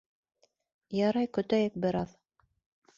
Ярай, көтәйек бер аҙ...